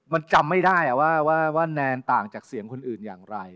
มันจำไม่ได้ว่าแนนต่างจากเสียงคนอื่นอย่างไร